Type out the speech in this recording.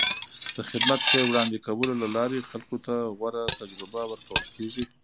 د خدمت ښې وړاندې کولو له لارې خلکو ته غوره تجربه ورکول کېږي.